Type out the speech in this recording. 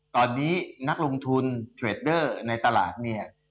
ตอนนี้นักลงทุนเทรดเดอร์ในตลาดเนี่ย